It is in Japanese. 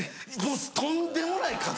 もうとんでもない数。